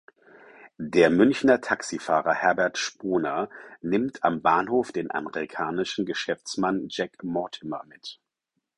Der Münchner Taxifahrer Herbert Sponer nimmt am Bahnhof den amerikanischen Geschäftsmann Jack Mortimer mit.